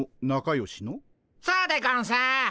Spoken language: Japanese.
そうでゴンス。